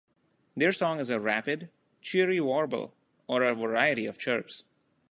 Their song is a rapid, cheery warble or a variety of chirps.